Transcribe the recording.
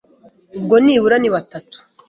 ubwo nibura ni batatu.